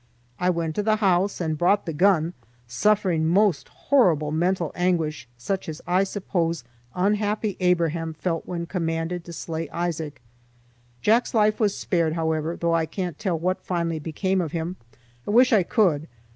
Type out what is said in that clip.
I went to the house and brought the gun, suffering most horrible mental anguish, such as I suppose unhappy Abraham felt when commanded to slay Isaac. Jack's life was spared, however, though I can't tell what finally became of him. I wish I could.